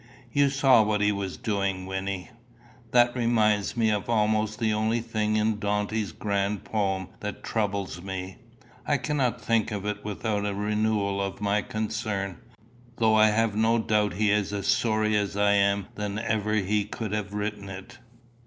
"You saw what he was doing, Wynnie? That reminds me of almost the only thing in Dante's grand poem that troubles me. I cannot think of it without a renewal of my concern, though I have no doubt he is as sorry now as I am that ever he could have written it.